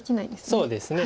そうですね。